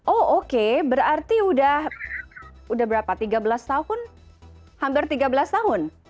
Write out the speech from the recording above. oh oke berarti udah berapa tiga belas tahun hampir tiga belas tahun